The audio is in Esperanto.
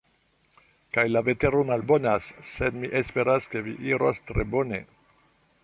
Kaj la vetero malbonas, sed mi esperas ke vi iros tre bone.